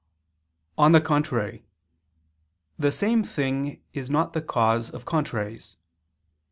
On the contrary, The same thing is not the cause of contraries.